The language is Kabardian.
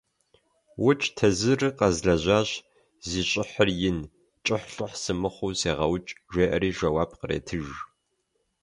- УкӀ тезырыр къэзлэжьащ, зи щӀыхьыр ин, кӀыхь–лӏыхь сымыхъуу сегъэукӀ, – жеӀэри жэуап къретыж.